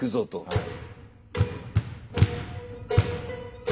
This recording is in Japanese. はい。